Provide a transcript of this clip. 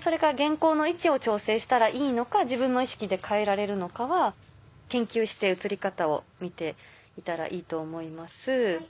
それから原稿の位置を調整したらいいのか自分の意識で変えられるのかは研究して映り方を見ていたらいいと思います。